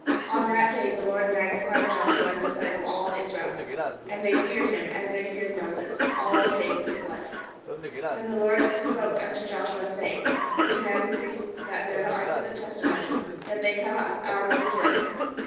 140n that day the LORD magnified Joshua in the sight of all Israel; and they feared him, as they feared Moses, all the days of his life. 15And the LORD spoke unto Joshua, saying: 16' Command the priests that )ear the ark of the testimony, that ihey come up out of the Jordan.'